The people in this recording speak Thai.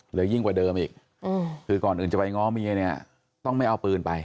เหลือยิ่งกว่าเดิมอีกคือก่อนอื่นจะไปง้อมีดต้องไม่เอาปืนไป